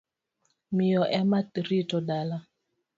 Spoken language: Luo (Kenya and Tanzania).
Miyo ema rito dala.